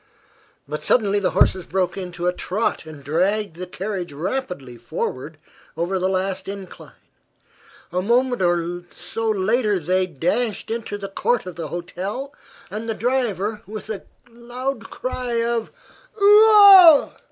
But suddenly the horses broke into a trot and dragged the carriage rapidly forward over the last incline. A moment later they dashed into the court of the hotel and the driver with a loud cry of "Oo ah!"